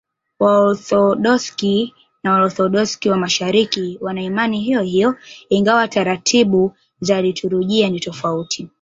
Waorthodoksi na Waorthodoksi wa Mashariki wana imani hiyohiyo, ingawa taratibu za liturujia ni tofauti.